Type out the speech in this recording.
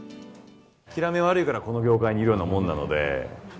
諦め悪いからこの業界にいるようなもんなので。